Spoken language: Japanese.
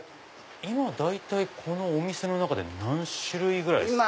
今大体このお店の中で何種類ぐらいですか？